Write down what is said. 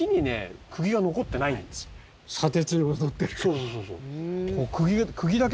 そうそうそうそう。